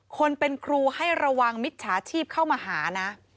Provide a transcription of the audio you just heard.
คนเป็นครูให้ระวังมิจฉาชีพเข้ามาหานะ